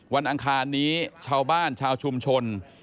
อังคารนี้ชาวบ้านชาวชุมชน